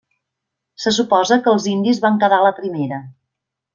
Se suposa que els indis van quedar a la primera.